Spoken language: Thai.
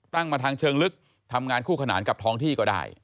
มาทางเชิงลึกทำงานคู่ขนานกับท้องที่ก็ได้